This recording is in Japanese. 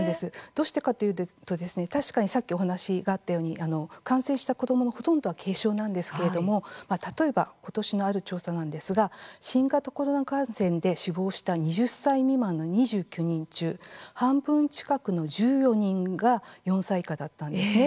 どうしてかというと、確かにさっきお話があったように感染した子どものほとんどは軽症なんですけれども、例えば今年のある調査なんですが新型コロナ感染で死亡した２０歳未満の２９人中半分近くの１４人が４歳以下だったんですね。